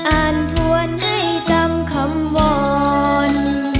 อ่านถ้วนให้จำคำวร